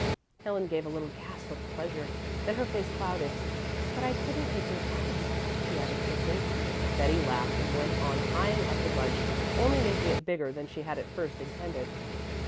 Helen gave a little gasp of pleasure. Then her face clouded. "But I couldn't take your violets," she added quickly. Betty laughed and went on tying up the bunch, only making it bigger than she had at first intended.